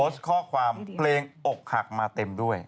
โพสต์ข้อความเพลงโอบคหักมาเต็มด้วย